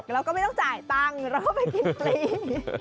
เราก็ไม่ต้องจ่ายตังค์เราก็ไปกินปลี